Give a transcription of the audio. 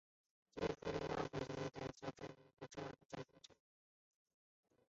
吉福利则鼓励皮耶尔乔治举办个人作品展。